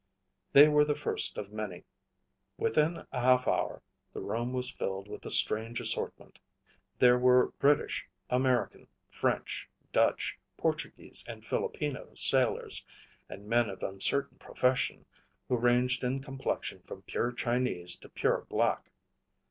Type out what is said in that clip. They were the first of many. Within a half hour the room was filled with a strange assortment. There were British, American, French, Dutch, Portuguese, and Filipino sailors, and men of uncertain profession who ranged in complexion from pure Chinese to pure black.